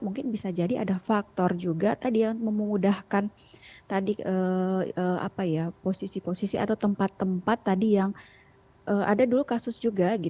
mungkin bisa jadi ada faktor juga tadi yang memudahkan tadi posisi posisi atau tempat tempat tadi yang ada dulu kasus juga